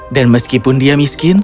dan meskipun dia miskin